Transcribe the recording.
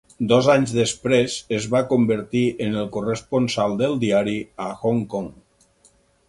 Dos anys després es va convertir en el corresponsal del diari a Hong Kong.